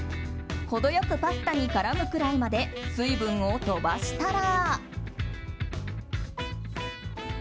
程良くパスタに絡むくらいまで水分を飛ばしたら。